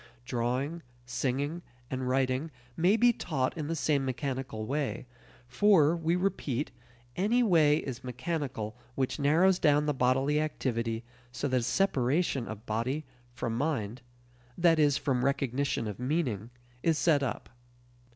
Drawing, singing, and writing may be taught in the same mechanical way; for, we repeat, any way is mechanical which narrows down the bodily activity so that a separation of body from mind that is, from recognition of meaning is set up.